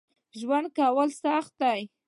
ژوند کول سخت دي